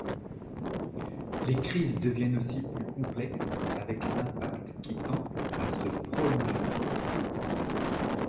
Les crises deviennent aussi plus complexes, avec un impact qui tend à se prolonger.